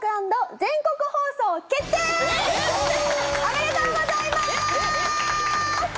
おめでとうございます！